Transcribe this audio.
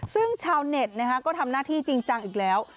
ซึ่งชาวเน็ตก็ทำหน้าที่จริงจังอีกแล้ว